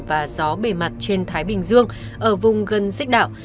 và gió bề mặt trên thái bình dương ở vùng gần xích đạo